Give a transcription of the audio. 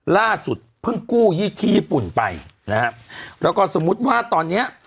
ล่าสุดเพิ่งกู้ยี่ที่ญี่ปุ่นไปนะฮะแล้วก็สมมุติว่าตอนเนี้ย